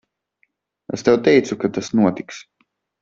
Es tev teicu, ka tas notiks.